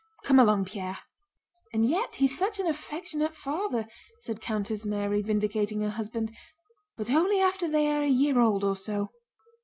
Come along, Pierre!" "And yet he's such an affectionate father," said Countess Mary, vindicating her husband, "but only after they are a year old or so..."